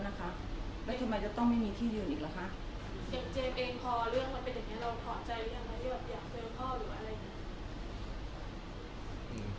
อย่างเจมส์เองพอเรื่องมันเป็นแบบนี้เราถอดใจอยู่ไหมอยากเจอพ่อหรืออะไร